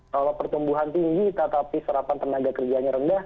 kalau pertumbuhan tinggi tetapi serapan tenaga kerjanya rendah